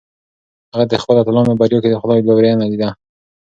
هغه د خپلو اتلانو په بریا کې د خدای لورینه لیده.